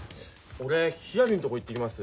俺ひらりのとこ行ってきます。